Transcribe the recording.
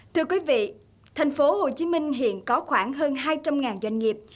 thưa quý vị tp hcm hiện có khoảng hơn hai trăm linh doanh nghiệp